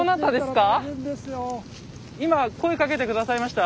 今声かけて下さいました？